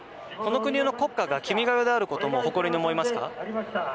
この国の国歌が「君が代」であることも誇りに思いますか？